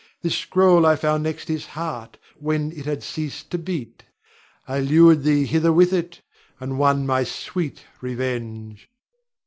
This scroll I found next his heart when it had ceased to beat. I lured thee hither with it, and won my sweet revenge.